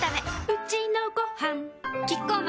うちのごはんキッコーマン